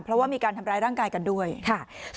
เพราะว่ามีการทำร้ายร่างกายกันด้วยค่ะ